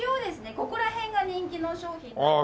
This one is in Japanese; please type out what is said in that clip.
ここら辺が人気の商品なんですけど。